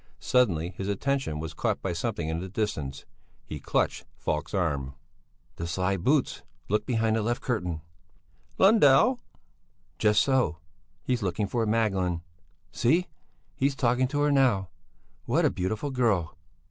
Suddenly his attention was caught by something in the distance. He clutched Falk's arm. "The sly boots! Look behind the left curtain!" "Lundell!" "Just so! He's looking for a Magdalene! See! He's talking to her now! What a beautiful girl!"